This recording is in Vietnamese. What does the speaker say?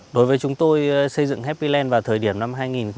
đối với chúng tôi xây dựng happyland vào thời điểm năm hai nghìn một mươi sáu